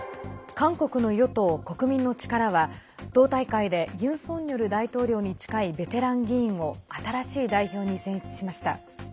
韓国の与党・国民の力は党大会でユン・ソンニョル大統領に近いベテラン議員を新しい代表に選出しました。